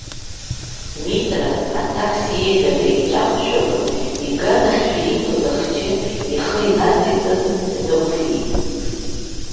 Митра аҭакс ииҳәара иҿамшәауа, иганахьшәа иқәыз ахчы ихы инаҵеиҵан, днықәиеит.